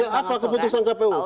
apa keputusan kpu